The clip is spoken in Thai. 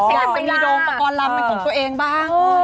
อยากจะมีโดมประกอบลำเป็นของตัวเองบ้าง